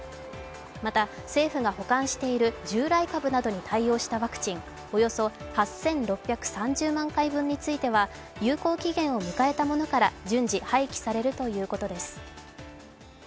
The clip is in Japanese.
また、政府が保管している従来株などに対応したワクチンおよそ８６３０万回分については有効期限を迎えたものから順次、廃棄されるということです。